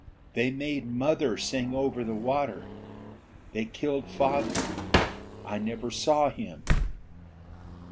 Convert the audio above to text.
They made mother sing over the water. They killed father. I never saw him."